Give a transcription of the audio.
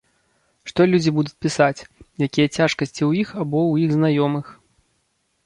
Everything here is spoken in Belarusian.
Што людзі будуць пісаць, якія цяжкасці ў іх або ў іх знаёмых.